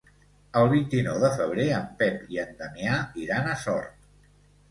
El vint-i-nou de febrer en Pep i en Damià iran a Sort.